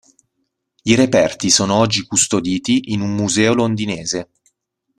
I reperti sono oggi custoditi in un museo londinese.